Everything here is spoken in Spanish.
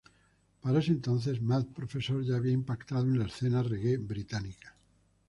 Para ese entonces, Mad Professor ya había impactado a la escena reggae británica.